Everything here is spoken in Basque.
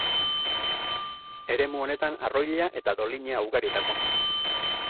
Eremu honetan arroila eta dolina ugari dago.